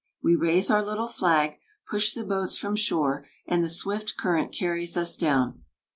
We raise our little flag, push the boats from shore, and the swift current carries us down."